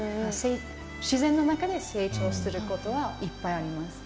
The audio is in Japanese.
自然の中で成長することはいっぱいあります。